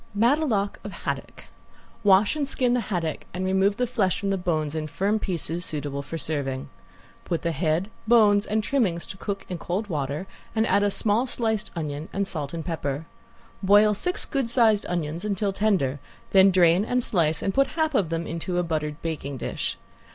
~METELOTE OF HADDOCK~ Wash and skin the haddock and remove the flesh from the bones in firm pieces suitable for serving. Put the head, bones and trimmings to cook in cold water and add a small sliced onion and salt and pepper. Boil six good sized onions until tender, then drain and slice and put half of them into a buttered baking dish.